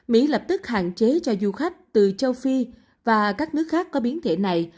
mỹ lập tức hạn chế cho du khách từ châu phi và các nước khác có biến thể này